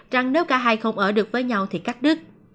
rằng nếu cả hai không ở được với nhau thì cắt đứt